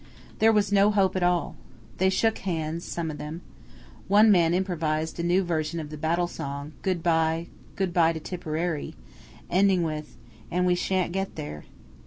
There was no hope at all. They shook hands, some of them. One man improvised a new version of the battle song, "Good by, good by to Tipperary," ending with "And we shan't get there."